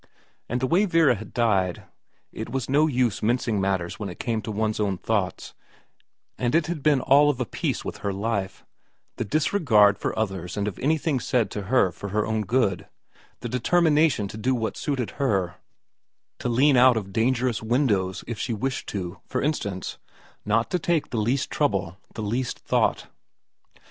And the way Vera had died, it was no use mincing matters when it came to one's own thoughts, and it had been all of a piece with her life : the disregard for others and of anything said to her for her own good, the determination to do what suited her, to lean out of dangerous windows if she wished to, for instance, not to take the least trouble, the least thought.